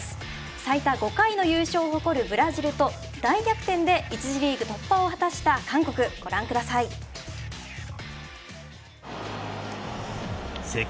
最多５回の優勝を誇るブラジルと大逆転で１次リーグ突破を果たした韓国ご覧ください。